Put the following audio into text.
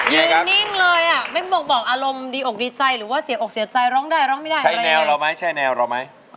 นิ่งเลยอ่ะไม่บ่งบอกอารมณ์ดีอกดีใจหรือว่าเสียอกเสียใจร้องได้ร้องไม่ได้ใช้แนวเราไหมใช่แนวเราไหม